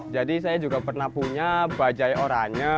jadi saya juga pernah punya bajai orangnya